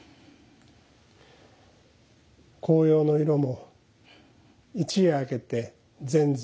紅葉の色も一夜明けて全山